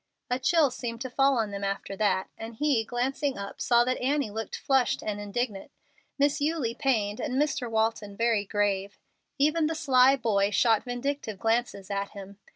A chill seemed to fall on them after that; and he, glancing up, saw that Annie looked flushed and indignant, Miss Eulie pained, and Mr. Walton very grave. Even the little boy shot vindictive glances at him.